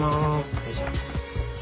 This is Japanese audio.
失礼します。